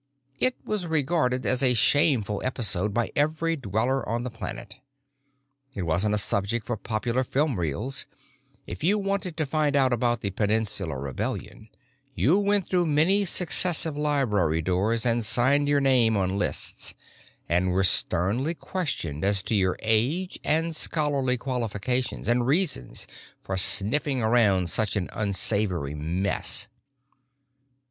It was regarded as a shameful episode by every dweller on the planet. It wasn't a subject for popular filmreels; if you wanted to find out about the Peninsular Rebellion you went through many successive library doors and signed your name on lists, and were sternly questioned as to your age and scholarly qualifications and reasons for sniffing around such an unsavory mess.